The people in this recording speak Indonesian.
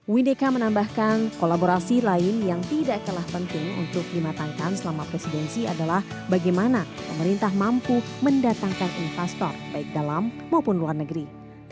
windeka menambahkan kolaborasi lain yang tidak kalah penting untuk dimatangkan selama presidensi adalah bagaimana pemerintah mampu mendatangkan investor baik dalam maupun luar negeri